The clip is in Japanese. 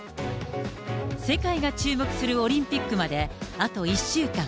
世界が注目するオリンピックまであと１週間。